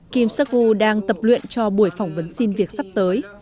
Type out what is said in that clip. kim seok gu đang tập luyện cho buổi phỏng vấn xin việc sắp tới